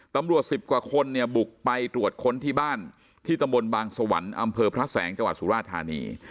ตำรวจสิบกว่าคนเนี่ยบุกไปตรวจค้นที่บ้านที่ตรฟบรรยาบางสวรรอำเภอพระแสงจังหวัดสูราภาษณีย์